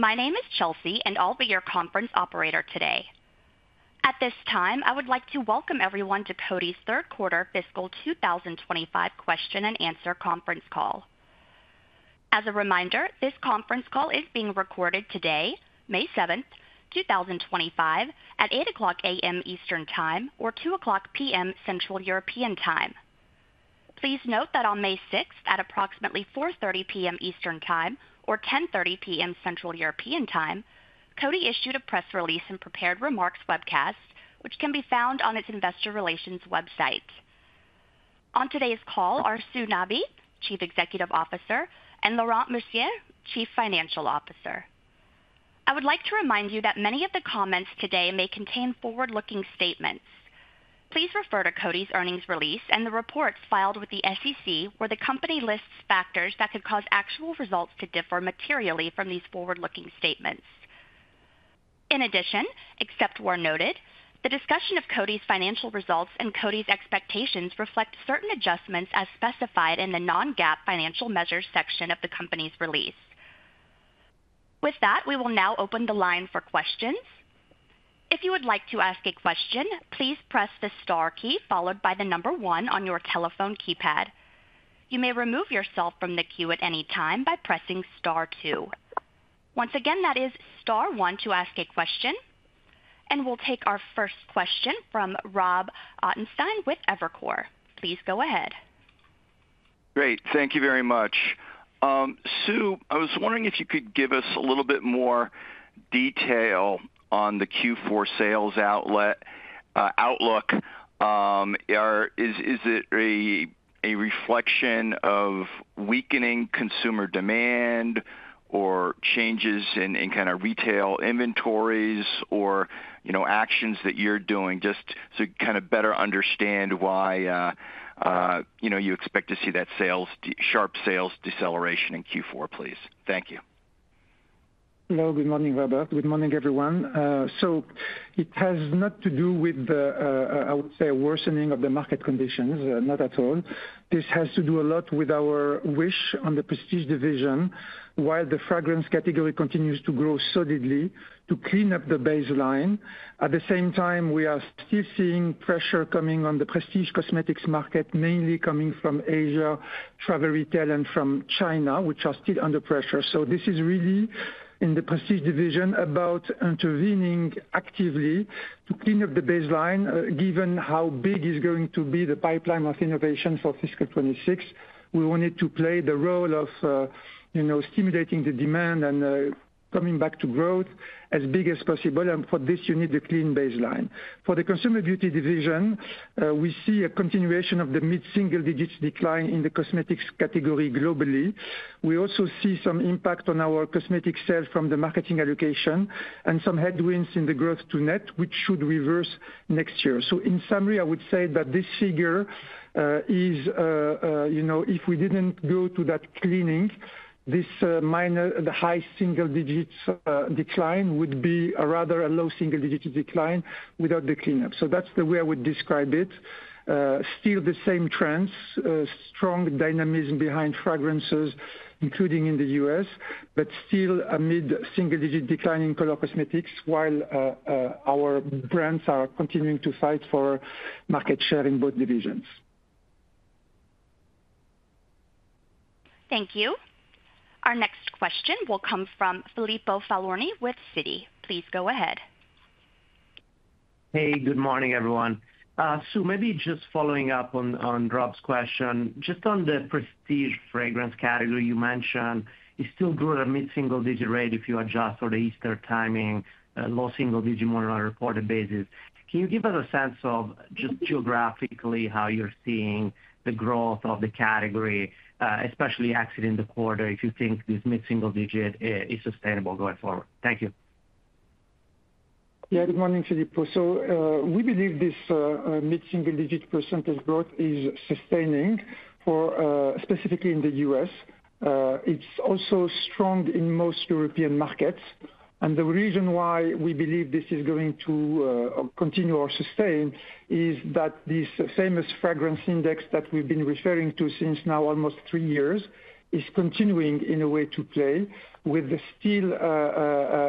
My name is Chelsea, and I'll be your conference operator today. At this time, I would like to welcome everyone to Coty's Third Quarter Fiscal 2025 Question and Answer Conference Call. As a reminder, this conference call is being recorded today, May 7, 2025, at 8:00 A.M. Eastern Time or 2:00 P.M. Central European Time. Please note that on May 6, at approximately 4:30 P.M. Eastern Time or 10:30 P.M. Central European Time, Coty issued a press release and prepared remarks webcast, which can be found on its investor relations website. On today's call are Sue Nabi, Chief Executive Officer, and Laurent Mercier, Chief Financial Officer. I would like to remind you that many of the comments today may contain forward-looking statements. Please refer to Coty's earnings release and the reports filed with the SEC, where the company lists factors that could cause actual results to differ materially from these forward-looking statements. In addition, except where noted, the discussion of Coty's financial results and Coty's expectations reflect certain adjustments as specified in the non-GAAP financial measures section of the company's release. With that, we will now open the line for questions. If you would like to ask a question, please press the star key followed by the number one on your telephone keypad. You may remove yourself from the queue at any time by pressing star two. Once again, that is star one to ask a question. We will take our first question from Rob Ottenstein with Evercore. Please go ahead. Great. Thank you very much. Sue, I was wondering if you could give us a little bit more detail on the Q4 sales outlook. Is it a reflection of weakening consumer demand or changes in kind of retail inventories or actions that you're doing just to kind of better understand why you expect to see that sharp sales deceleration in Q4, please? Thank you. Hello. Good morning, Robert. Good morning, everyone. It has not to do with, I would say, a worsening of the market conditions, not at all. This has to do a lot with our wish on the Prestige division, while the fragrance category continues to grow solidly, to clean up the baseline. At the same time, we are still seeing pressure coming on the Prestige cosmetics market, mainly coming from Asia, travel retail, and from China, which are still under pressure. This is really, in the Prestige division, about intervening actively to clean up the baseline, given how big is going to be the pipeline of innovation for fiscal 2026. We wanted to play the role of stimulating the demand and coming back to growth as big as possible. For this, you need the clean baseline. For the consumer beauty division, we see a continuation of the mid-single digits decline in the cosmetics category globally. We also see some impact on our cosmetic sales from the marketing allocation and some headwinds in the growth to net, which should reverse next year. In summary, I would say that this figure is, if we did not go to that cleaning, this minor, the high single digits decline would be rather a low single digit decline without the cleanup. That is the way I would describe it. Still the same trends, strong dynamism behind fragrances, including in the U.S., but still a mid-single digit decline in color cosmetics, while our brands are continuing to fight for market share in both divisions. Thank you. Our next question will come from Filippo Falorni with Citi. Please go ahead. Hey, good morning, everyone. Sue, maybe just following up on Rob's question, just on the Prestige fragrance category you mentioned, it still grew at a mid-single digit rate if you adjust for the Easter timing, low single digit more on a reported basis. Can you give us a sense of just geographically how you're seeing the growth of the category, especially exiting the quarter, if you think this mid-single digit is sustainable going forward? Thank you. Yeah, good morning, Filippo. We believe this mid-single digit percent growth is sustaining specifically in the U.S. It's also strong in most European markets. The reason why we believe this is going to continue or sustain is that this famous fragrance index that we've been referring to since now almost three years is continuing in a way to play with the still,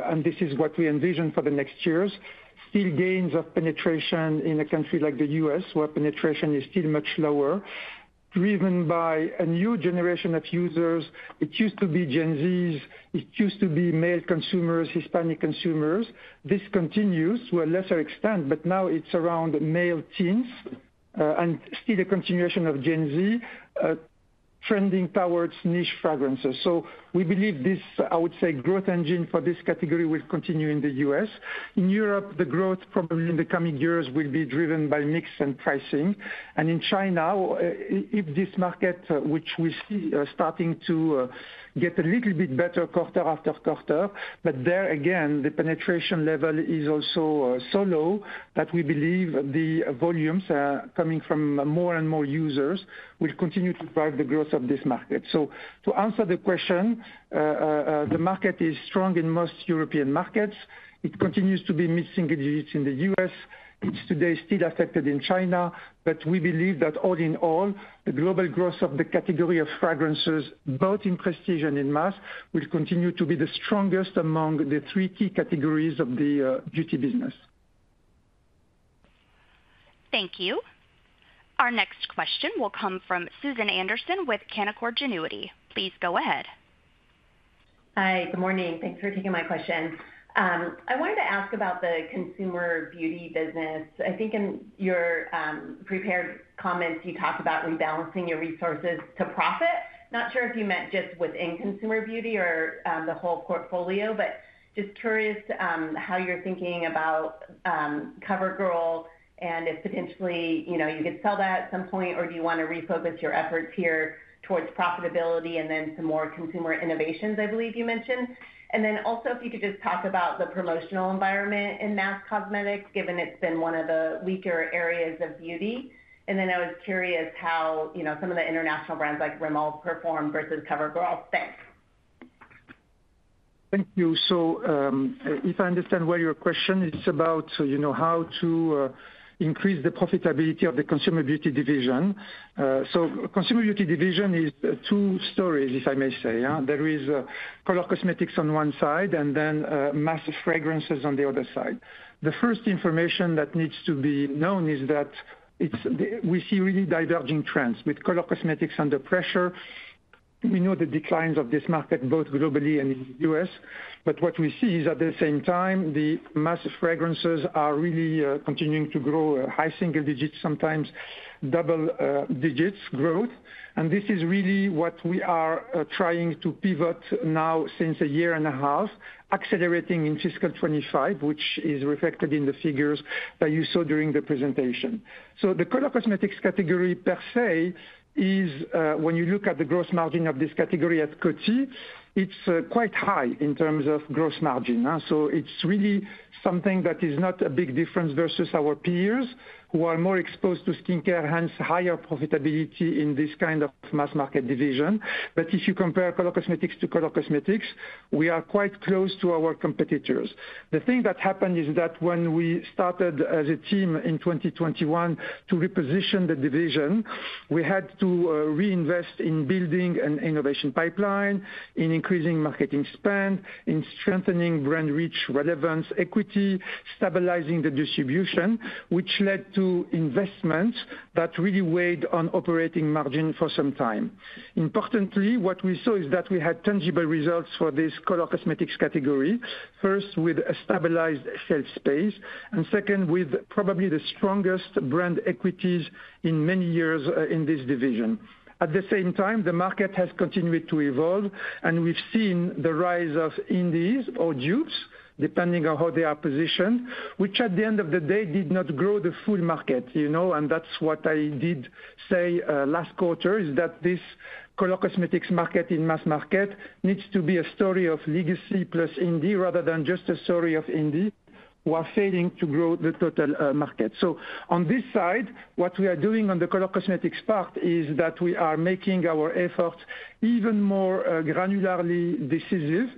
and this is what we envision for the next years, still gains of penetration in a country like the U.S., where penetration is still much lower, driven by a new generation of users. It used to be Gen Zs. It used to be male consumers, Hispanic consumers. This continues to a lesser extent, but now it's around male teens and still a continuation of Gen Z trending towards niche fragrances. We believe this, I would say, growth engine for this category will continue in the U.S. In Europe, the growth probably in the coming years will be driven by mix and pricing. In China, if this market, which we see starting to get a little bit better quarter after quarter, but there, again, the penetration level is also so low that we believe the volumes coming from more and more users will continue to drive the growth of this market. To answer the question, the market is strong in most European markets. It continues to be mid-single digits in the U.S. It's today still affected in China, but we believe that all in all, the global growth of the category of fragrances, both in Prestige and in mass, will continue to be the strongest among the three key categories of the beauty business. Thank you. Our next question will come from Susan Anderson with Canaccord Genuity. Please go ahead. Hi, good morning. Thanks for taking my question. I wanted to ask about the consumer beauty business. I think in your prepared comments, you talked about rebalancing your resources to profit. Not sure if you meant just within consumer beauty or the whole portfolio, but just curious how you're thinking about CoverGirl and if potentially you could sell that at some point, or do you want to refocus your efforts here towards profitability and then some more consumer innovations, I believe you mentioned. Also, if you could just talk about the promotional environment in mass cosmetics, given it's been one of the weaker areas of beauty. I was curious how some of the international brands like Rimmel perform versus CoverGirl. Thanks. Thank you. If I understand well your question, it's about how to increase the profitability of the consumer beauty division. Consumer beauty division is two stories, if I may say. There is color cosmetics on one side and then mass fragrances on the other side. The first information that needs to be known is that we see really diverging trends with color cosmetics under pressure. We know the declines of this market both globally and in the U.S., but what we see is at the same time, the mass fragrances are really continuing to grow high single digits, sometimes double digits growth. This is really what we are trying to pivot now since a year and a half, accelerating in fiscal 2025, which is reflected in the figures that you saw during the presentation. The color cosmetics category per se is, when you look at the gross margin of this category at Coty, it's quite high in terms of gross margin. It's really something that is not a big difference versus our peers who are more exposed to skincare, hence higher profitability in this kind of mass market division. If you compare color cosmetics to color cosmetics, we are quite close to our competitors. The thing that happened is that when we started as a team in 2021 to reposition the division, we had to reinvest in building an innovation pipeline, in increasing marketing spend, in strengthening brand reach, relevance, equity, stabilizing the distribution, which led to investments that really weighed on operating margin for some time. Importantly, what we saw is that we had tangible results for this color cosmetics category, first with a stabilized sales space, and second with probably the strongest brand equities in many years in this division. At the same time, the market has continued to evolve, and we've seen the rise of Indies or dupes, depending on how they are positioned, which at the end of the day did not grow the full market. What I did say last quarter is that this color cosmetics market in mass market needs to be a story of legacy plus Indie rather than just a story of Indie who are failing to grow the total market. On this side, what we are doing on the color cosmetics part is that we are making our efforts even more granularly decisive,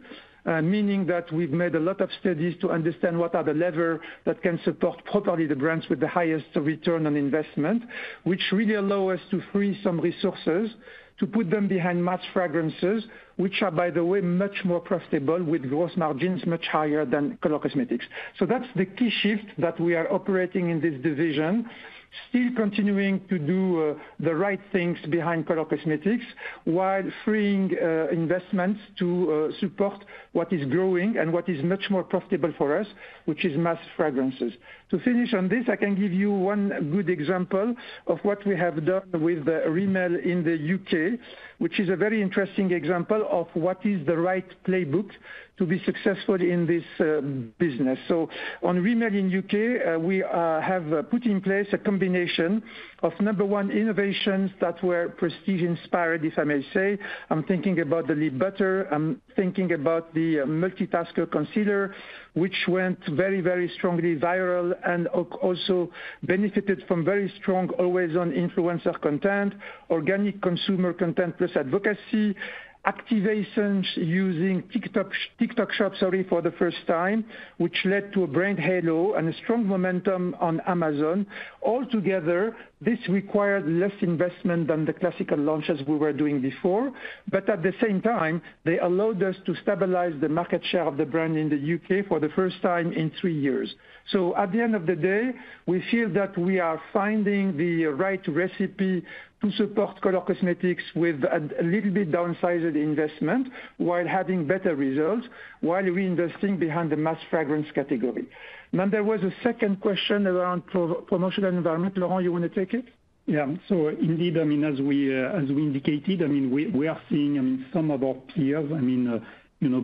meaning that we've made a lot of studies to understand what are the levers that can support properly the brands with the highest return on investment, which really allow us to free some resources to put them behind mass fragrances, which are, by the way, much more profitable with gross margins much higher than color cosmetics. That's the key shift that we are operating in this division, still continuing to do the right things behind color cosmetics while freeing investments to support what is growing and what is much more profitable for us, which is mass fragrances. To finish on this, I can give you one good example of what we have done with Rimmel in the U.K., which is a very interesting example of what is the right playbook to be successful in this business. On Rimmel in the U.K., we have put in place a combination of number one innovations that were Prestige inspired, if I may say. I'm thinking about the Lip Butter. I'm thinking about the Multitasker Concealer, which went very, very strongly viral and also benefited from very strong always-on influencer content, organic consumer content plus advocacy, activations using TikTok Shop, sorry, for the first time, which led to a brand halo and a strong momentum on Amazon. Altogether, this required less investment than the classical launches we were doing before, but at the same time, they allowed us to stabilize the market share of the brand in the U.K. for the first time in three years. At the end of the day, we feel that we are finding the right recipe to support color cosmetics with a little bit downsized investment while having better results, while reinvesting behind the mass fragrance category. There was a second question around promotional environment. Laurent, you want to take it? Yeah. So indeed, I mean, as we indicated, I mean, we are seeing some of our peers, I mean,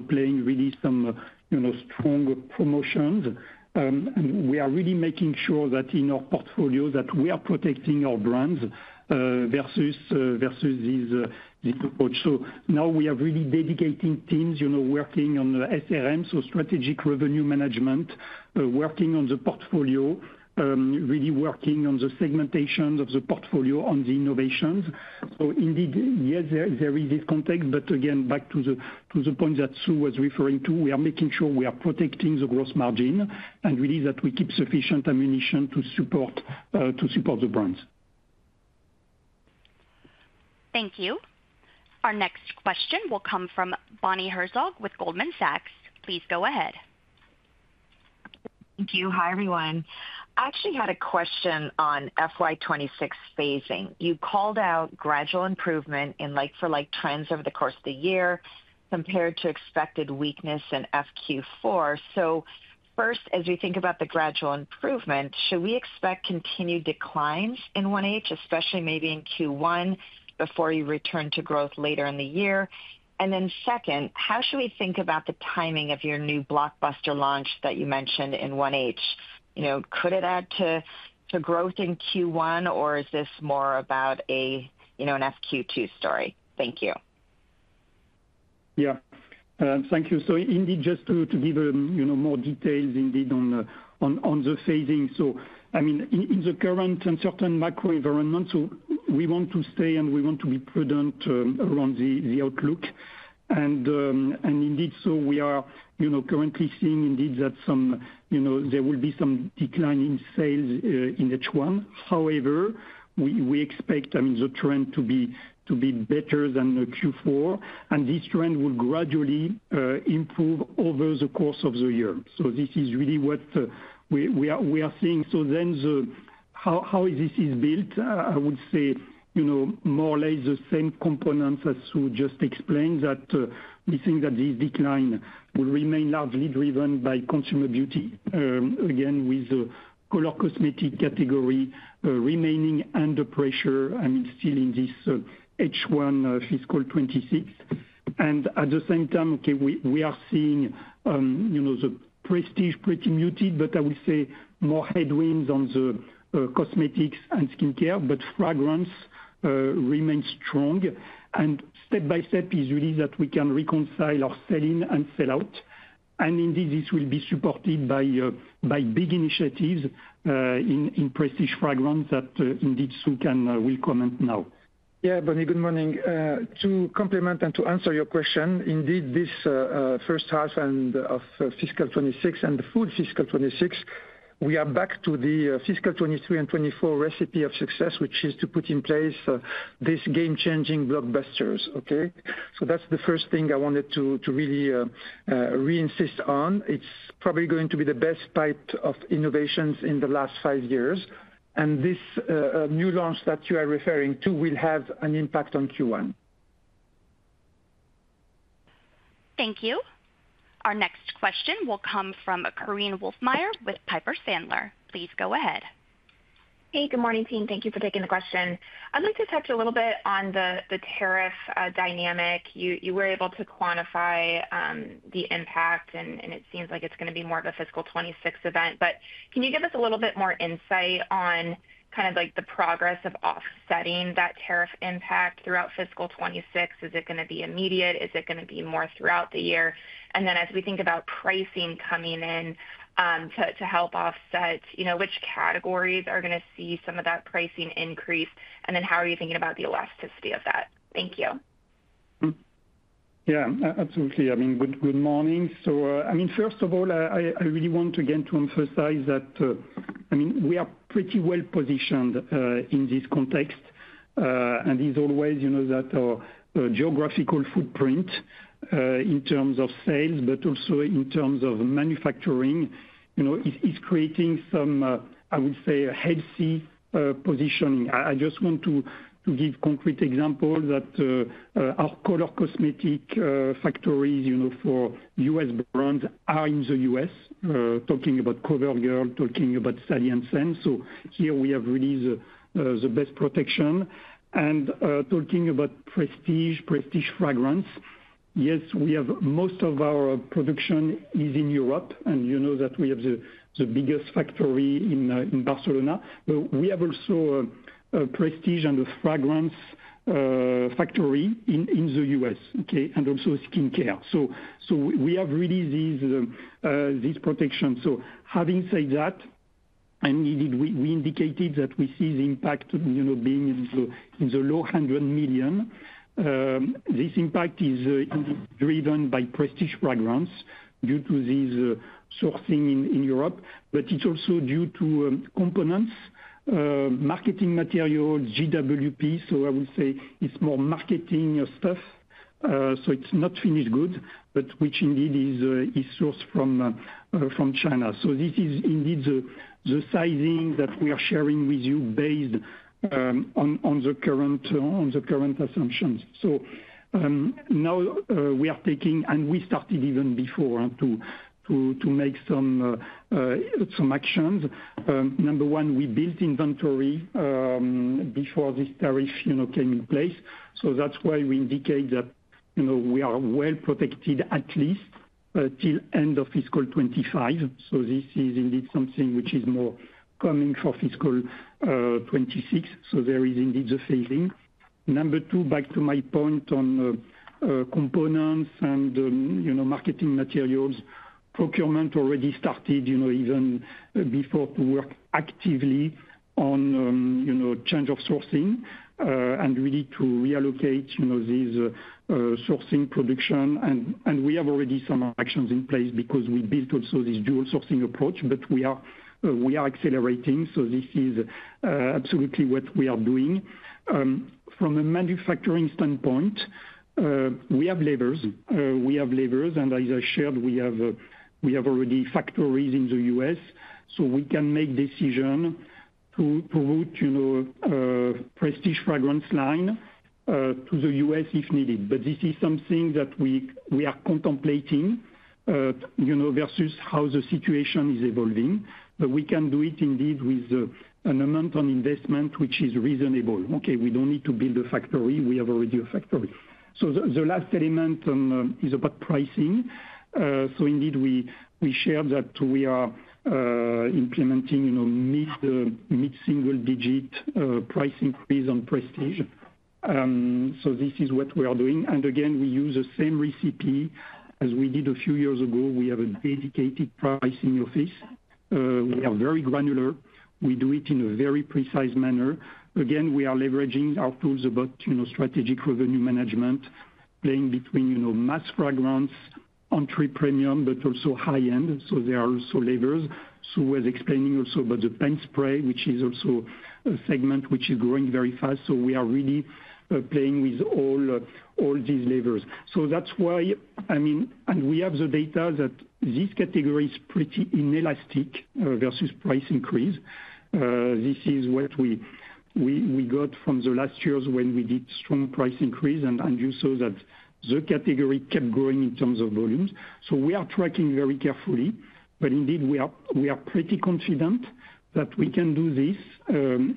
playing really some strong promotions. We are really making sure that in our portfolio that we are protecting our brands versus this approach. Now we are really dedicating teams working on the SRM, so strategic revenue management, working on the portfolio, really working on the segmentations of the portfolio on the innovations. Indeed, yes, there is this context, but again, back to the point that Sue was referring to, we are making sure we are protecting the gross margin and really that we keep sufficient ammunition to support the brands. Thank you. Our next question will come from Bonnie Herzog with Goldman Sachs. Please go ahead. Thank you. Hi, everyone. I actually had a question on FY2026 phasing. You called out gradual improvement in like-for-like trends over the course of the year compared to expected weakness in FQ4. First, as we think about the gradual improvement, should we expect continued declines in 1H, especially maybe in Q1 before you return to growth later in the year? Then, how should we think about the timing of your new blockbuster launch that you mentioned in 1H? Could it add to growth in Q1, or is this more about an FQ2 story? Thank you. Yeah. Thank you. So indeed, just to give more details indeed on the phasing. I mean, in the current uncertain macro environment, we want to stay and we want to be prudent around the outlook. Indeed, we are currently seeing that there will be some decline in sales in H1. However, we expect, I mean, the trend to be better than Q4. This trend will gradually improve over the course of the year. This is really what we are seeing. How this is built, I would say more or less the same components as Sue just explained, that we think that this decline will remain largely driven by consumer beauty, again, with the color cosmetics category remaining under pressure, still in this H1 fiscal 2026. At the same time, okay, we are seeing the prestige pretty muted, but I would say more headwinds on the cosmetics and skincare, but fragrance remains strong. Step by step is really that we can reconcile our sell-in and sell-out. Indeed, this will be supported by big initiatives in prestige fragrance that indeed Sue will comment now. Yeah. Bonnie, good morning. To complement and to answer your question, indeed, this first half of fiscal 2026 and the full fiscal 2026, we are back to the fiscal 2023 and 2024 recipe of success, which is to put in place these game-changing blockbusters. Okay? That is the first thing I wanted to really reinsist on. It is probably going to be the best type of innovations in the last five years. And this new launch that you are referring to will have an impact on Q1. Thank you. Our next question will come from korine Wolfmeyer with Piper Sandler. Please go ahead. Hey, good morning, team. Thank you for taking the question. I'd like to touch a little bit on the tariff dynamic. You were able to quantify the impact, and it seems like it's going to be more of a fiscal 2026 event. Can you give us a little bit more insight on kind of the progress of offsetting that tariff impact throughout fiscal 2026? Is it going to be immediate? Is it going to be more throughout the year? As we think about pricing coming in to help offset, which categories are going to see some of that pricing increase? How are you thinking about the elasticity of that? Thank you. Yeah, absolutely. I mean, good morning. I mean, first of all, I really want again to emphasize that I mean, we are pretty well positioned in this context. It's always that our geographical footprint in terms of sales, but also in terms of manufacturing, is creating some, I would say, healthy positioning. I just want to give concrete examples that our color cosmetic factories for U.S. brands are in the U.S., talking about CoverGirl, talking about Stadient Scent. Here we have really the best protection. Talking about Prestige, Prestige fragrance, yes, most of our production is in Europe. You know that we have the biggest factory in Barcelona. We have also a Prestige and a fragrance factory in the U.S., and also skincare. We have really this protection. Having said that, and indeed we indicated that we see the impact being in the low $100 million. This impact is driven by Prestige fragrance due to this sourcing in Europe, but it's also due to components, marketing materials, GWP. I would say it's more marketing stuff. It's not finished good, but which indeed is sourced from China. This is indeed the sizing that we are sharing with you based on the current assumptions. Now we are taking, and we started even before, to make some actions. Number one, we built inventory before this tariff came in place. That's why we indicate that we are well protected at least till end of fiscal 2025. This is indeed something which is more coming for fiscal 2026. There is indeed the phasing. Number two, back to my point on components and marketing materials, procurement already started even before to work actively on change of sourcing and really to reallocate this sourcing production. We have already some actions in place because we built also this dual sourcing approach, but we are accelerating. This is absolutely what we are doing. From a manufacturing standpoint, we have levers. We have levers. As I shared, we have already factories in the U.S. We can make decision to route Prestige fragrance line to the U.S. if needed. This is something that we are contemplating versus how the situation is evolving. We can do it indeed with an amount of investment which is reasonable. Okay, we do not need to build a factory. We have already a factory. The last element is about pricing. Indeed, we shared that we are implementing mid-single digit price increase on Prestige. This is what we are doing. Again, we use the same recipe as we did a few years ago. We have a dedicated pricing office. We are very granular. We do it in a very precise manner. Again, we are leveraging our tools about strategic revenue management, playing between mass fragrance, entry premium, but also high-end. There are also levers. Sue was explaining also about the pen spray, which is also a segment which is growing very fast. We are really playing with all these levers. That is why, I mean, and we have the data that this category is pretty inelastic versus price increase. This is what we got from the last years when we did strong price increase. You saw that the category kept growing in terms of volumes. We are tracking very carefully, but indeed, we are pretty confident that we can do this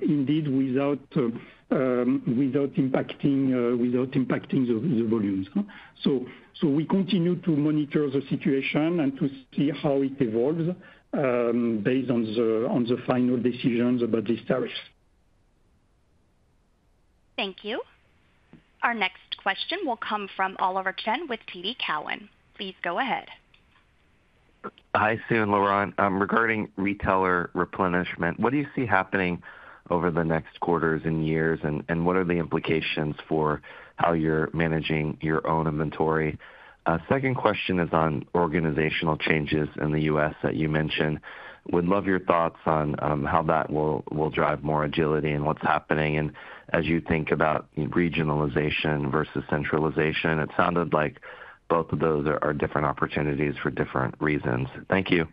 indeed without impacting the volumes. We continue to monitor the situation and to see how it evolves based on the final decisions about these tariffs. Thank you. Our next question will come from Oliver Chen with TD Cowen. Please go ahead. Hi, Sue and Laurent. Regarding retailer replenishment, what do you see happening over the next quarters and years, and what are the implications for how you're managing your own inventory? Second question is on organizational changes in the U.S., that you mentioned. Would love your thoughts on how that will drive more agility and what's happening. As you think about regionalization versus centralization, it sounded like both of those are different opportunities for different reasons. Thank you.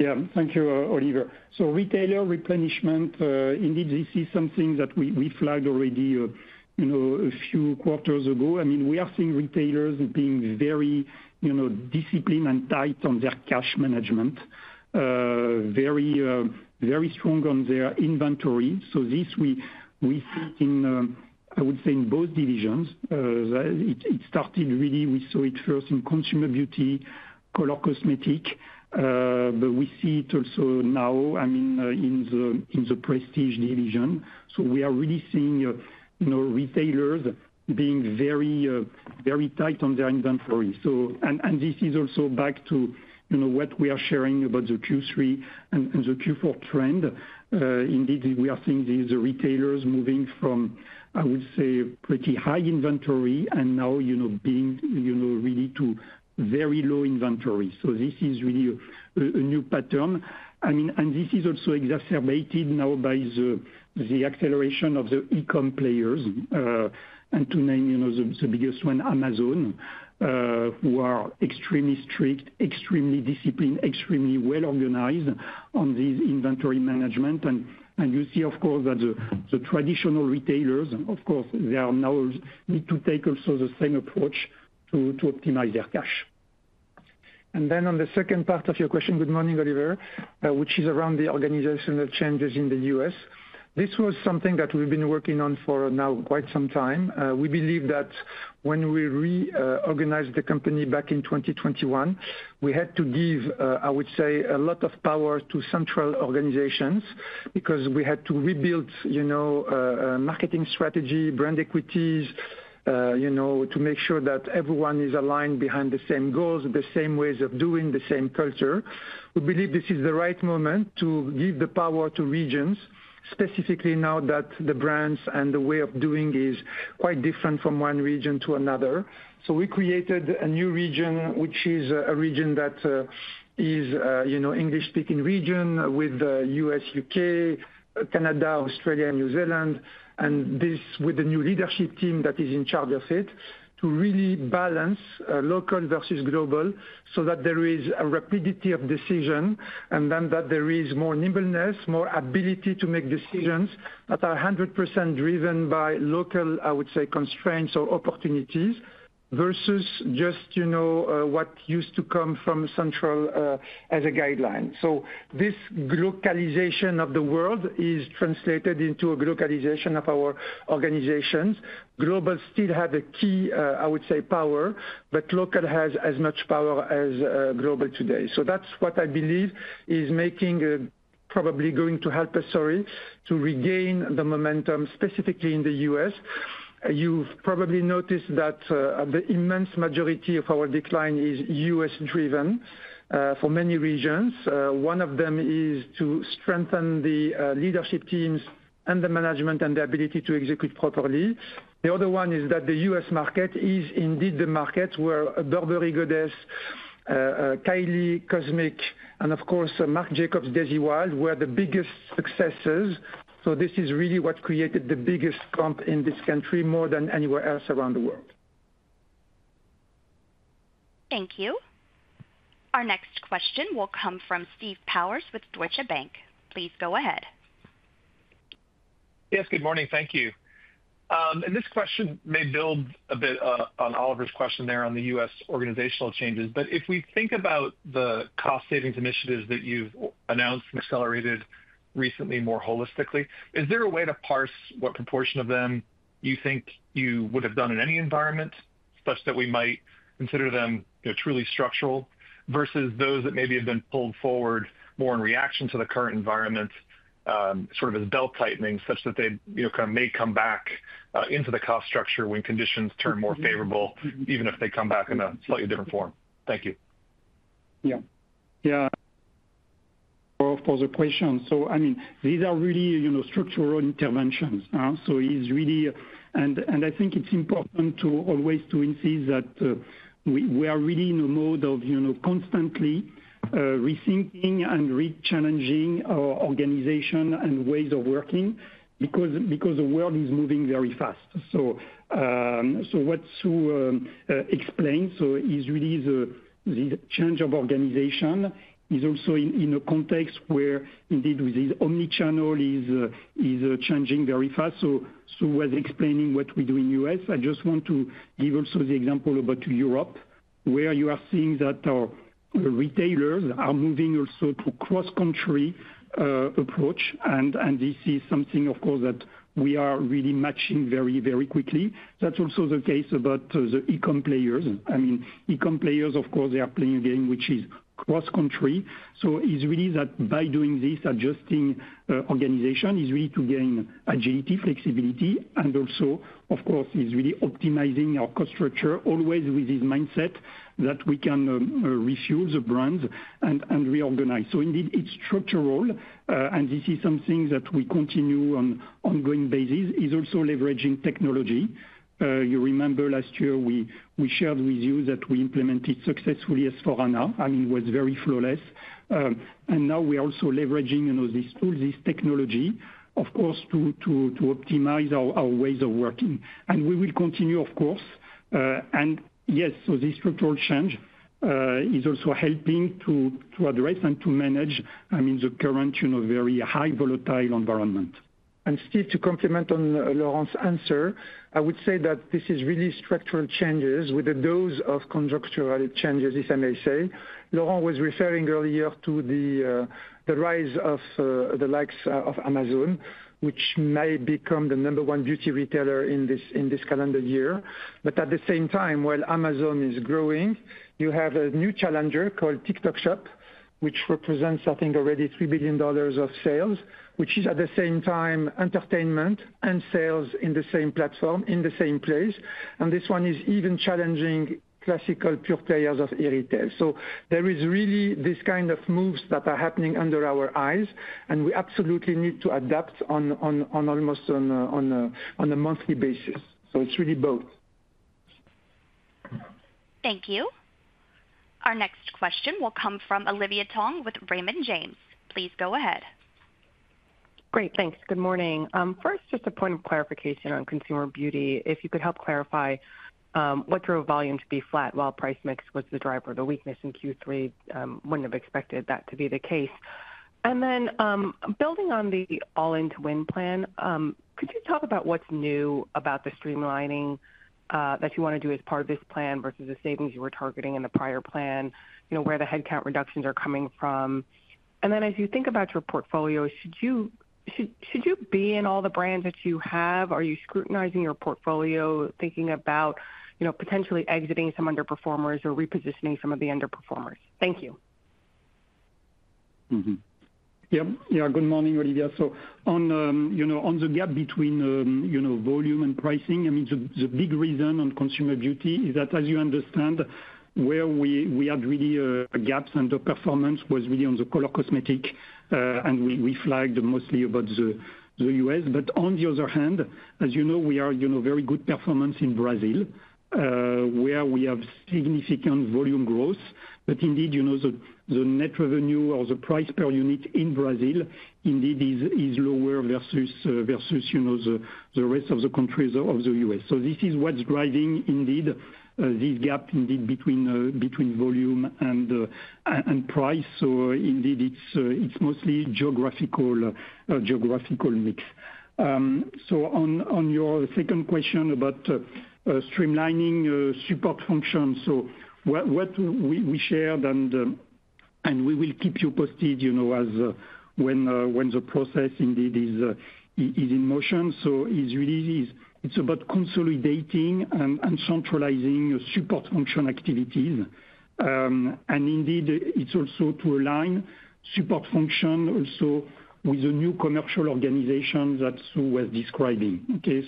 Yeah, thank you, Oliver. Retailer replenishment, indeed, this is something that we flagged already a few quarters ago. I mean, we are seeing retailers being very disciplined and tight on their cash management, very strong on their inventory. This we see in, I would say, in both divisions. It started really, we saw it first in consumer beauty, color cosmetics, but we see it also now, I mean, in the Prestige division. We are really seeing retailers being very tight on their inventory. This is also back to what we are sharing about the Q3 and the Q4 trend. Indeed, we are seeing these retailers moving from, I would say, pretty high inventory and now being really to very low inventory. This is really a new pattern. I mean, and this is also exacerbated now by the acceleration of the e-comm players. To name the biggest one, Amazon, who are extremely strict, extremely disciplined, extremely well organized on these inventory management. You see, of course, that the traditional retailers, of course, they now need to take also the same approach to optimize their cash. On the second part of your question, good morning, Oliver, which is around the organizational changes in the U.S., this was something that we've been working on for now quite some time. We believe that when we reorganized the company back in 2021, we had to give, I would say, a lot of power to central organizations because we had to rebuild marketing strategy, brand equities to make sure that everyone is aligned behind the same goals, the same ways of doing, the same culture. We believe this is the right moment to give the power to regions, specifically now that the brands and the way of doing is quite different from one region to another. We created a new region, which is a region that is an English-speaking region with U.S., U.K., Canada, Australia, and New Zealand, and this with a new leadership team that is in charge of it to really balance local versus global so that there is a rapidity of decision and then that there is more nimbleness, more ability to make decisions that are 100% driven by local, I would say, constraints or opportunities versus just what used to come from central as a guideline. This globalization of the world is translated into a globalization of our organizations. Global still has a key, I would say, power, but local has as much power as global today. That is what I believe is probably going to help us, sorry, to regain the momentum specifically in the U.S. You've probably noticed that the immense majority of our decline is U.S..-driven for many reasons. One of them is to strengthen the leadership teams and the management and the ability to execute properly. The other one is that the U.S., market is indeed the market where Burberry, Goddess, Kylie, Cosmic, and of course, Marc Jacobs, Daisy Wild were the biggest successes. This is really what created the biggest slump in this country more than anywhere else around the world. Thank you. Our next question will come from Steve Powers with Deutsche Bank. Please go ahead. Yes, good morning. Thank you. This question may build a bit on Oliver's question there on the U.S. organizational changes. If we think about the cost-savings initiatives that you've announced and accelerated recently more holistically, is there a way to parse what proportion of them you think you would have done in any environment such that we might consider them truly structural versus those that maybe have been pulled forward more in reaction to the current environment, sort of as belt tightening, such that they kind of may come back into the cost structure when conditions turn more favorable, even if they come back in a slightly different form? Thank you. Yeah. Yeah, for the question. I mean, these are really structural interventions. It is really, and I think it is important to always insist that we are really in a mode of constantly rethinking and re-challenging our organization and ways of working because the world is moving very fast. What Sue explains is really the change of organization is also in a context where indeed this omnichannel is changing very fast. Sue was explaining what we do in the U.S. I just want to give also the example about Europe, where you are seeing that our retailers are moving also to cross-country approach. This is something, of course, that we are really matching very, very quickly. That is also the case about the e-comm players. I mean, e-comm players, of course, they are playing a game which is cross-country. It is really that by doing this, adjusting organization is really to gain agility, flexibility, and also, of course, it is really optimizing our cost structure always with this mindset that we can refuel the brands and reorganize. Indeed, it is structural. This is something that we continue on an ongoing basis, also leveraging technology. You remember last year we shared with you that we implemented successfully S4HANA. I mean, it was very flawless. Now we are also leveraging these tools, this technology, of course, to optimize our ways of working. We will continue, of course. Yes, this structural change is also helping to address and to manage, I mean, the current very high volatile environment. Steve, to complement on Laurent's answer, I would say that this is really structural changes with a dose of conjunctural changes, if I may say. Laurent was referring earlier to the rise of the likes of Amazon, which may become the number one beauty retailer in this calendar year. At the same time, while Amazon is growing, you have a new challenger called TikTok Shop, which represents, I think, already $3 billion of sales, which is at the same time entertainment and sales in the same platform, in the same place. This one is even challenging classical pure players of e-retail. There is really this kind of moves that are happening under our eyes, and we absolutely need to adapt almost on a monthly basis. It is really both. Thank you. Our next question will come from Olivia Tong with Raymond James. Please go ahead. Great. Thanks. Good morning. First, just a point of clarification on consumer beauty. If you could help clarify what drove volume to be flat while price mix was the driver of the weakness in Q3, would not have expected that to be the case. Building on the all-in-to-win plan, could you talk about what is new about the streamlining that you want to do as part of this plan versus the savings you were targeting in the prior plan, where the headcount reductions are coming from? As you think about your portfolio, should you be in all the brands that you have? Are you scrutinizing your portfolio, thinking about potentially exiting some underperformers or repositioning some of the underperformers? Thank you. Yeah. Yeah, good morning, Olivia. On the gap between volume and pricing, I mean, the big reason on consumer beauty is that, as you understand, where we had really gaps and the performance was really on the color cosmetic, and we flagged mostly about the U.S. I mean, on the other hand, as you know, we are very good performance in Brazil, where we have significant volume growth. Indeed, the net revenue or the price per unit in Brazil indeed is lower versus the rest of the countries of the U.S. This is what's driving indeed this gap indeed between volume and price. Indeed, it's mostly geographical mix. On your second question about streamlining support function, what we shared, and we will keep you posted when the process indeed is in motion. It's really about consolidating and centralizing support function activities. Indeed, it's also to align support function also with the new commercial organizations that Sue was describing. Okay?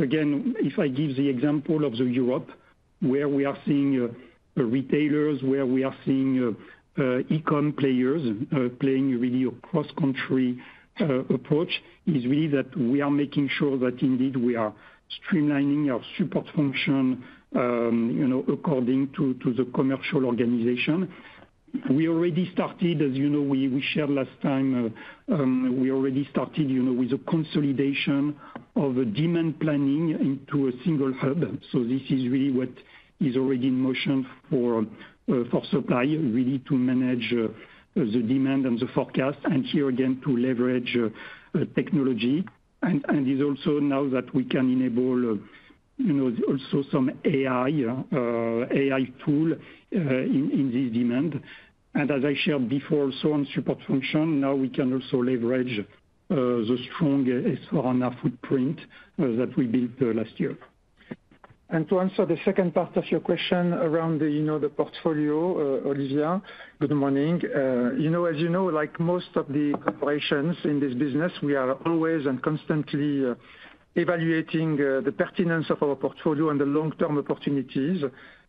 Again, if I give the example of Europe, where we are seeing retailers, where we are seeing e-comm players playing really a cross-country approach, it is really that we are making sure that indeed we are streamlining our support function according to the commercial organization. We already started, as you know, we shared last time, we already started with a consolidation of demand planning into a single hub. This is really what is already in motion for supply really to manage the demand and the forecast, and here again to leverage technology. It's also now that we can enable also some AI tool in this demand. As I shared before, also on support function, now we can also leverage the strong S4HANA footprint that we built last year. To answer the second part of your question around the portfolio, Olivia, good morning. As you know, like most of the corporations in this business, we are always and constantly evaluating the pertinence of our portfolio and the long-term opportunities.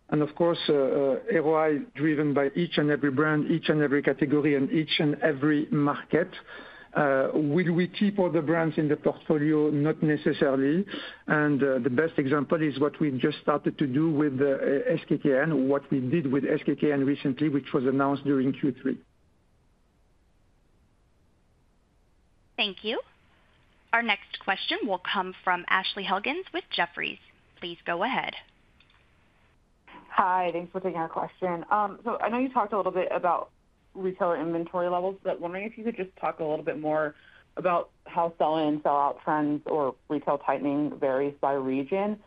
Of course, ROI driven by each and every brand, each and every category, and each and every market. Will we keep all the brands in the portfolio? Not necessarily. The best example is what we have just started to do with SKKN, what we did with SKKN recently, which was announced during Q3. Thank you. Our next question will come from Ashley Huggins with Jefferies. Please go ahead. Hi. Thanks for taking our question. I know you talked a little bit about retail inventory levels, but wondering if you could just talk a little bit more about how sell-in and sell-out trends or retail tightening varies by region.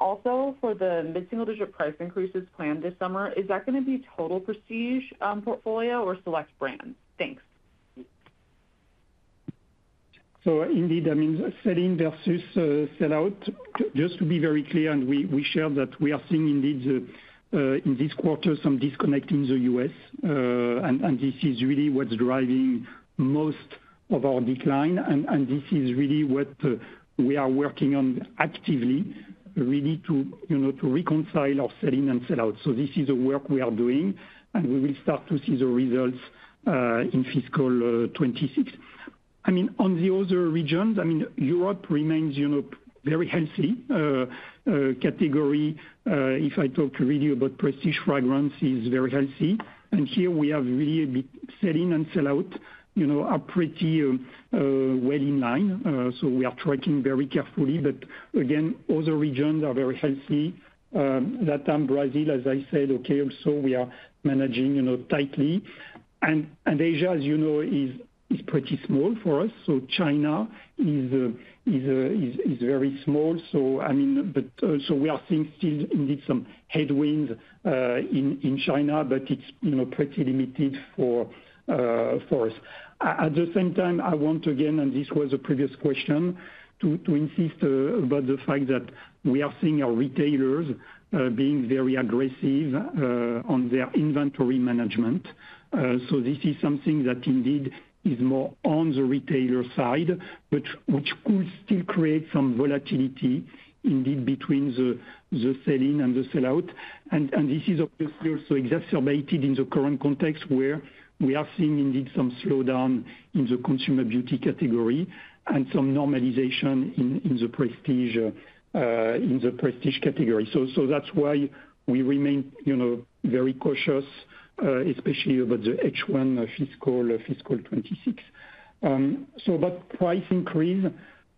Also, for the mid-single-digit price increases planned this summer, is that going to be total prestige portfolio or select brands? Thanks. So indeed, I mean, sell-in versus sell-out, just to be very clear, and we shared that we are seeing indeed in this quarter some disconnect in the U.S. This is really what's driving most of our decline. This is really what we are working on actively really to reconcile our sell-in and sell-out. This is the work we are doing, and we will start to see the results in fiscal 2026. I mean, on the other regions, I mean, Europe remains very healthy. Category, if I talk really about prestige fragrance, is very healthy. Here we have really sell-in and sell-out are pretty well in line. We are tracking very carefully. Again, other regions are very healthy. That time Brazil, as I said, okay, also we are managing tightly. Asia, as you know, is pretty small for us. China is very small. I mean, we are seeing still indeed some headwinds in China, but it's pretty limited for us. At the same time, I want again, and this was a previous question, to insist about the fact that we are seeing our retailers being very aggressive on their inventory management. This is something that indeed is more on the retailer side, which could still create some volatility indeed between the sell-in and the sell-out. This is obviously also exacerbated in the current context where we are seeing indeed some slowdown in the consumer beauty category and some normalization in the prestige category. That's why we remain very cautious, especially about the H1 fiscal 2026. About price increase,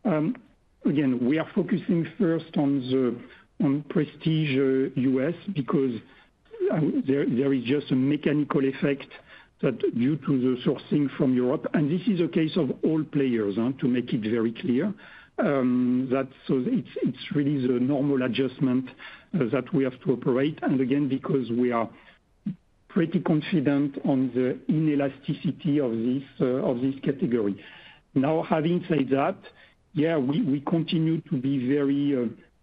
again, we are focusing first on prestige U.S. because there is just a mechanical effect due to the sourcing from Europe. This is a case of all players, to make it very clear. It is really the normal adjustment that we have to operate. Again, because we are pretty confident on the inelasticity of this category. Now, having said that, we continue to be very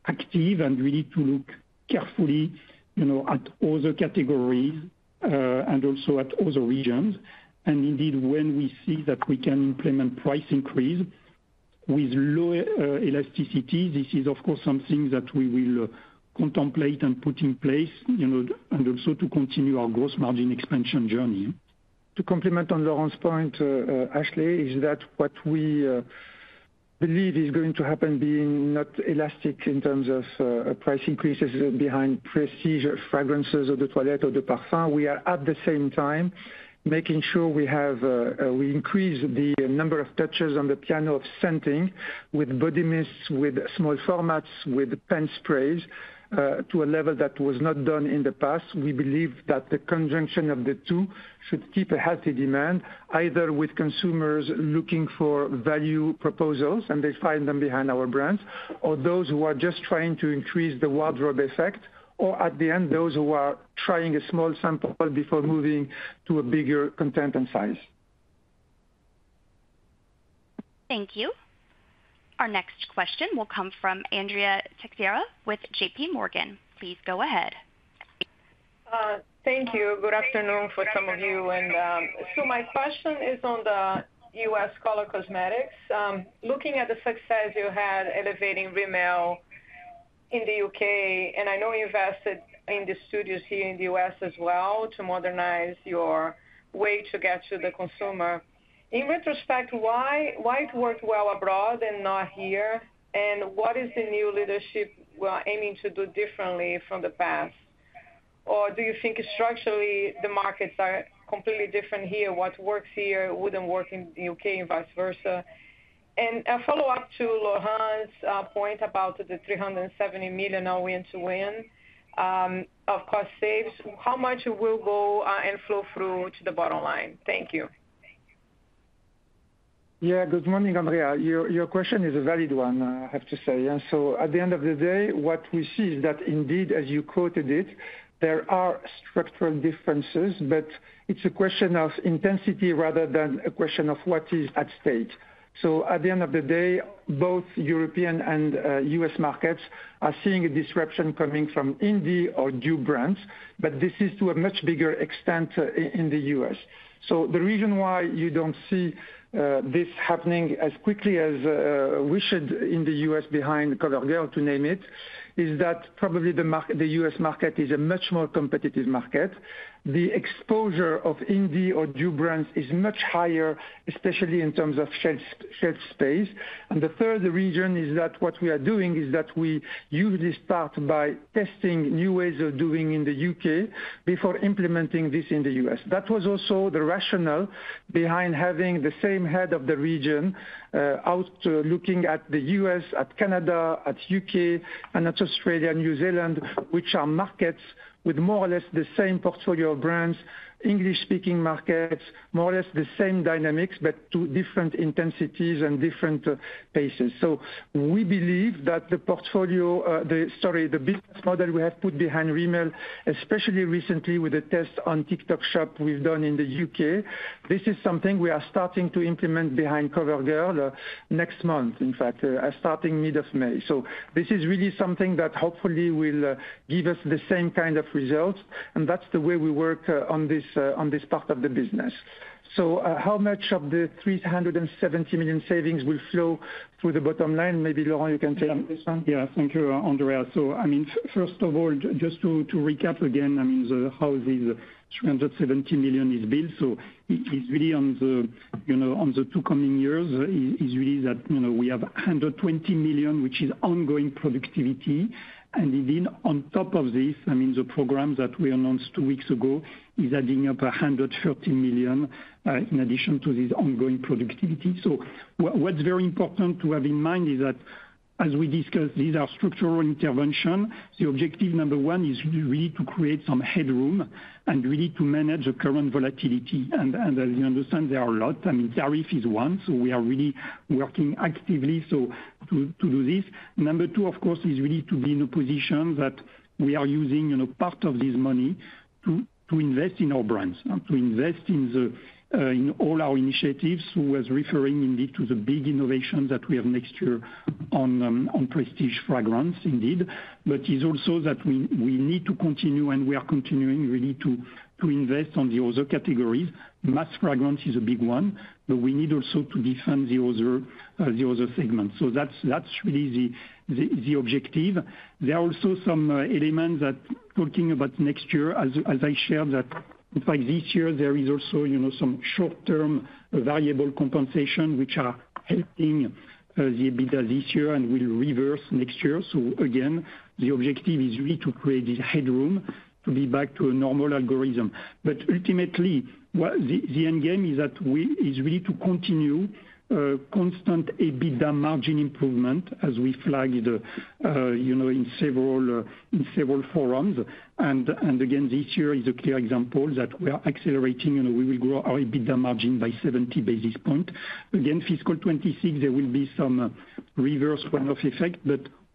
active and really to look carefully at all the categories and also at all the regions. Indeed, when we see that we can implement price increase with low elasticity, this is, of course, something that we will contemplate and put in place and also to continue our gross margin expansion journey. To complement on Laurent's point, Ashley, is that what we believe is going to happen being not elastic in terms of price increases behind prestige fragrances or the toilette or the parfum. We are at the same time making sure we increase the number of touches on the piano of scenting with body mists, with small formats, with pen sprays to a level that was not done in the past. We believe that the conjunction of the two should keep a healthy demand, either with consumers looking for value proposals and they find them behind our brands, or those who are just trying to increase the wardrobe effect, or at the end, those who are trying a small sample before moving to a bigger content and size. Thank you. Our next question will come from Andrea Teixeira with JPMorgan. Please go ahead. Thank you. Good afternoon for some of you. My question is on the U.S. color cosmetics. Looking at the success you had elevating Rimmel in the U.K., and I know you invested in the studios here in the U.S. as well to modernize your way to get to the consumer. In retrospect, why it worked well abroad and not here, and what is the new leadership aiming to do differently from the past? Do you think structurally the markets are completely different here? What works here would not work in the U.K. and vice versa? A follow-up to Laurent's point about the $370 million all-in to win, of cost saves, how much will go and flow through to the bottom line? Thank you. Yeah, good morning, Andrea. Your question is a valid one, I have to say. At the end of the day, what we see is that indeed, as you quoted it, there are structural differences, but it's a question of intensity rather than a question of what is at stake. At the end of the day, both European and U.S., markets are seeing a disruption coming from indie or new brands, but this is to a much bigger extent in the U.S. The reason why you don't see this happening as quickly as we should in the U.S., behind CoverGirl, to name it, is that probably the U.S., market is a much more competitive market. The exposure of indie or new brands is much higher, especially in terms of shelf space. The third reason is that what we are doing is that we usually start by testing new ways of doing in the U.K. before implementing this in the U.S. That was also the rationale behind having the same head of the region out looking at the U.S., at Canada, at U.K., and at Australia, New Zealand, which are markets with more or less the same portfolio of brands, English-speaking markets, more or less the same dynamics, but two different intensities and different paces. We believe that the portfolio, the business model we have put behind Rimmel, especially recently with the test on TikTok Shop we've done in the U.K., this is something we are starting to implement behind CoverGirl next month, in fact, starting mid of May. This is really something that hopefully will give us the same kind of results. That is the way we work on this part of the business. How much of the $370 million savings will flow through the bottom line? Maybe Laurent, you can take this one. Yeah, thank you, Andrea. I mean, first of all, just to recap again, how this $370 million is built. It is really on the two coming years, we have $120 million, which is ongoing productivity. Indeed, on top of this, the program that we announced two weeks ago is adding up $130 million in addition to this ongoing productivity. What is very important to have in mind is that, as we discussed, these are structural interventions. The objective number one is really to create some headroom and really to manage the current volatility. As you understand, there are a lot. I mean, tariff is one. We are really working actively to do this. Number two, of course, is really to be in a position that we are using part of this money to invest in our brands, to invest in all our initiatives, who was referring indeed to the big innovations that we have next year on prestige fragrance indeed. It is also that we need to continue, and we are continuing really to invest on the other categories. Mass fragrance is a big one, but we need also to defend the other segments. That is really the objective. There are also some elements that talking about next year, as I shared that in fact this year, there is also some short-term variable compensation, which are helping the EBITDA this year and will reverse next year. Again, the objective is really to create this headroom to be back to a normal algorithm. Ultimately, the end game is really to continue constant EBITDA margin improvement as we flagged in several forums. Again, this year is a clear example that we are accelerating. We will grow our EBITDA margin by 70 basis points. Again, fiscal 2026, there will be some reverse one-off effect,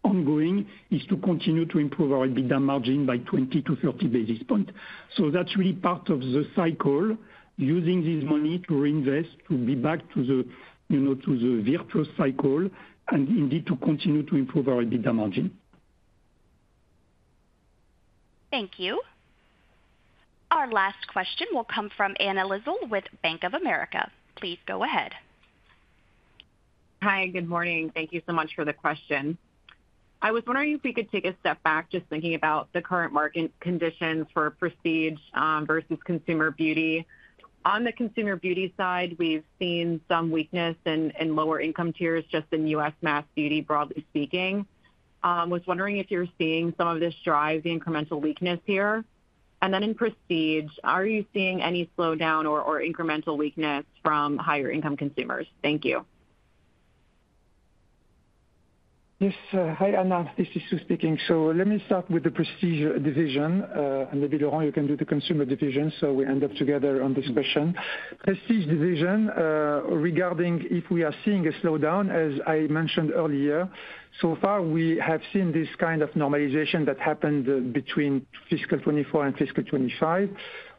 but ongoing is to continue to improve our EBITDA margin by 20-30 basis points. That is really part of the cycle, using this money to reinvest, to be back to the virtual cycle, and indeed to continue to improve our EBITDA margin. Thank you. Our last question will come from Anna Lizzul with Bank of America. Please go ahead. Hi, good morning. Thank you so much for the question. I was wondering if we could take a step back just thinking about the current market conditions for prestige versus consumer beauty. On the consumer beauty side, we've seen some weakness in lower income tiers just in U.S., mass beauty, broadly speaking. I was wondering if you're seeing some of this drive, the incremental weakness here. In prestige, are you seeing any slowdown or incremental weakness from higher income consumers? Thank you. Yes, hi, Anna, this is Sue speaking. Let me start with the Prestige division. Maybe Laurent, you can do the Consumer division so we end up together on this question. Prestige division regarding if we are seeing a slowdown, as I mentioned earlier. So far, we have seen this kind of normalization that happened between fiscal 2024 and fiscal 2025,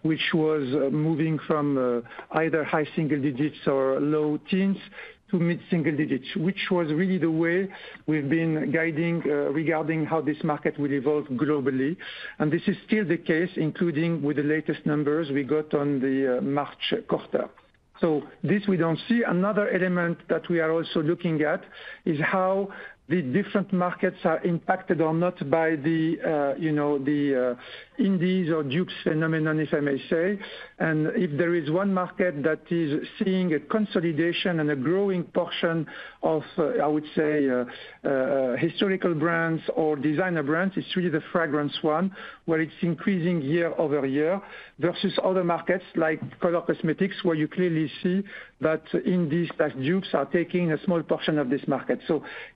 which was moving from either high single digits or low teens to mid-single digits, which was really the way we've been guiding regarding how this market will evolve globally. This is still the case, including with the latest numbers we got on the March quarter. This we don't see. Another element that we are also looking at is how the different markets are impacted or not by the indies or dupes phenomenon, if I may say. If there is one market that is seeing a consolidation and a growing portion of, I would say, historical brands or designer brands, it is really the fragrance one where it is increasing year over year versus other markets like color cosmetics, where you clearly see that indies as dupes are taking a small portion of this market.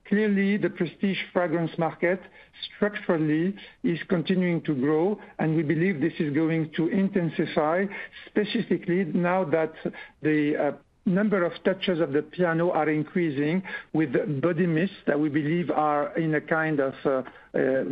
Clearly, the prestige fragrance market structurally is continuing to grow. We believe this is going to intensify specifically now that the number of touches of the piano are increasing with body mists that we believe are in a kind of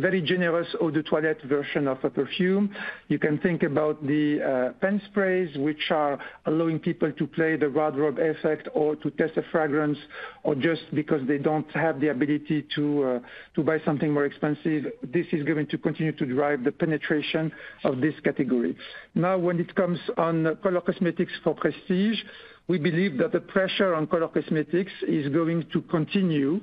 very generous eau de toilette version of a perfume. You can think about the pen sprays, which are allowing people to play the wardrobe effect or to test a fragrance or just because they do not have the ability to buy something more expensive. This is going to continue to drive the penetration of this category. Now, when it comes on color cosmetics for prestige, we believe that the pressure on color cosmetics is going to continue,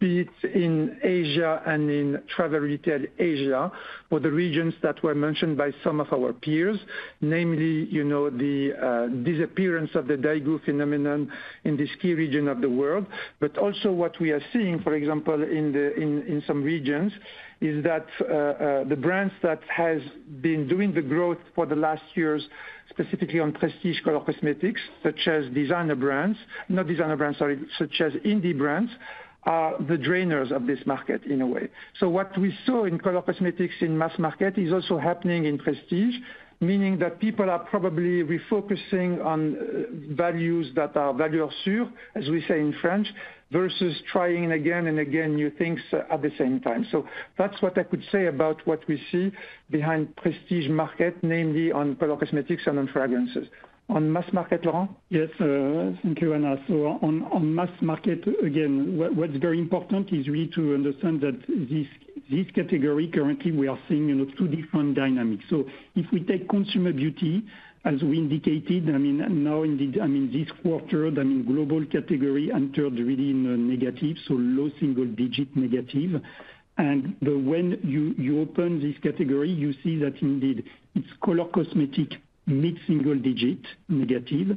be it in Asia and in travel retail Asia, for the regions that were mentioned by some of our peers, namely the disappearance of the Daigou phenomenon in the ski region of the world. Also, what we are seeing, for example, in some regions is that the brands that have been doing the growth for the last years, specifically on prestige color cosmetics, such as designer brands, not designer brands, sorry, such as indie brands, are the drainers of this market in a way. What we saw in color cosmetics in mass market is also happening in prestige, meaning that people are probably refocusing on values that are value assured, as we say in French, versus trying again and again new things at the same time. That is what I could say about what we see behind prestige market, namely on color cosmetics and on fragrances. On mass market, Laurent? Yes, thank you, Anna. On mass market, again, what's very important is really to understand that this category currently we are seeing two different dynamics. If we take consumer beauty, as we indicated, I mean, now indeed, I mean, this quarter, I mean, global category entered really in a negative, so low single digit negative. When you open this category, you see that indeed it's color cosmetics, mid-single digit negative.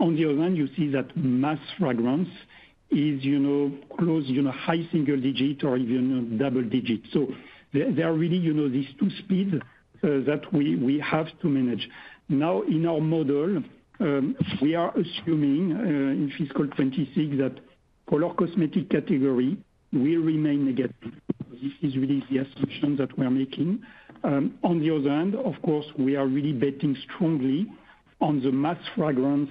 On the other hand, you see that mass fragrance is close to high single digit or even double digit. There are really these two speeds that we have to manage. In our model, we are assuming in fiscal 2026 that color cosmetics category will remain negative. This is really the assumption that we are making. On the other hand, of course, we are really betting strongly on the mass fragrance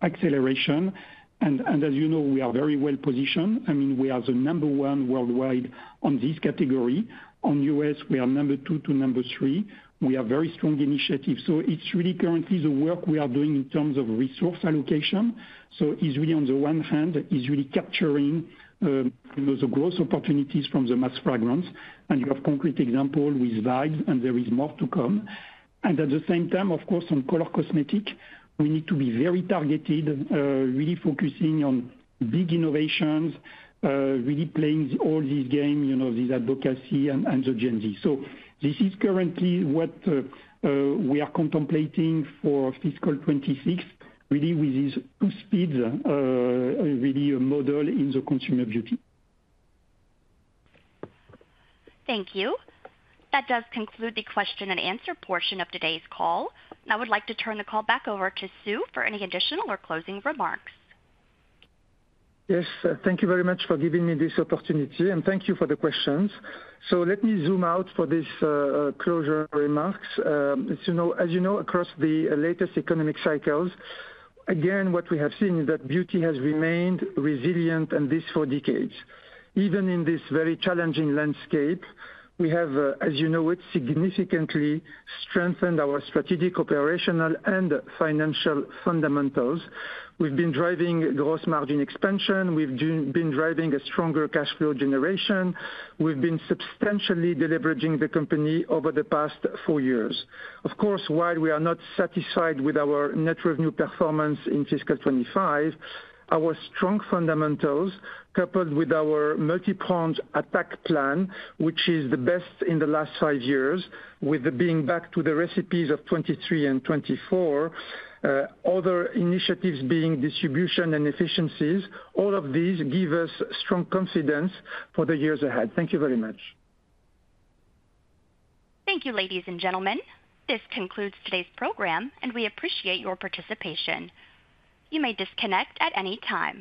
acceleration. As you know, we are very well positioned. I mean, we are the number one worldwide on this category. In the U.S., we are number two to number three. We have very strong initiatives. It is really currently the work we are doing in terms of resource allocation. It is really, on the one hand, capturing the growth opportunities from the mass fragrance. You have concrete examples with Vibes, and there is more to come. At the same time, of course, on color cosmetics, we need to be very targeted, really focusing on big innovations, really playing all this game, this advocacy and the Gen Z. This is currently what we are contemplating for fiscal 2026, really with these two speeds, really a model in the consumer beauty. Thank you. That does conclude the question and answer portion of today's call. Now I would like to turn the call back over to Sue for any additional or closing remarks. Yes, thank you very much for giving me this opportunity, and thank you for the questions. Let me zoom out for these closure remarks. As you know, across the latest economic cycles, again, what we have seen is that beauty has remained resilient and this for decades. Even in this very challenging landscape, we have, as you know it, significantly strengthened our strategic, operational, and financial fundamentals. We've been driving gross margin expansion. We've been driving a stronger cash flow generation. We've been substantially delevering the company over the past four years. Of course, while we are not satisfied with our net revenue performance in fiscal 2025, our strong fundamentals coupled with our multi-pronged attack plan, which is the best in the last five years, with being back to the recipes of 2023 and 2024, other initiatives being distribution and efficiencies, all of these give us strong confidence for the years ahead. Thank you very much. Thank you, ladies and gentlemen. This concludes today's program, and we appreciate your participation. You may disconnect at any time.